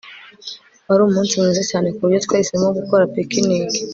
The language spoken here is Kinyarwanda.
Wari umunsi mwiza cyane kuburyo twahisemo gukora picnic